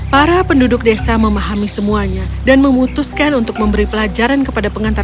para penduduk desa memahami semuanya dan memutuskan untuk memberi pelajaran kepada pengantar